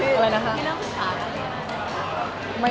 ไม่ได้เริ่มคุยกันกันหรือไง